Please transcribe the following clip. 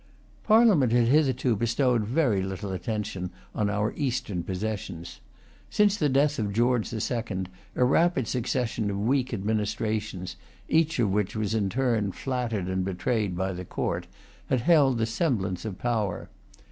Parliament had hitherto bestowed very little attention on our Eastern possessions. Since the death of George the Second, a rapid succession of weak administrations, each of which was in turn flattered and betrayed by the Court, had held the semblance of power.